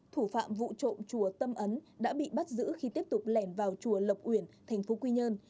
thủ phạm vụ trộm chùa tâm ấn đã bị bắt giữ khi tiếp tục lẻn vào chùa lộc uyển thành phố quy nhơn